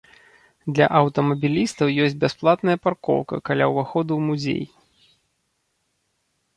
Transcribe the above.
Для аўтамабілістаў ёсць бясплатная паркоўка каля ўваходу ў музей.